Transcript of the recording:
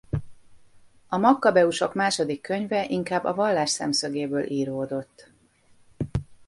A Makkabeusok második könyve inkább a vallás szemszögéből íródott.